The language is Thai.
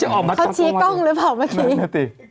เขาชี้กล้องหรือเปล่าเมื่อกี้